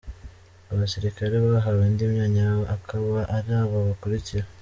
Abasirikali bahawe indi myanya akaba ari aba bakurikira: .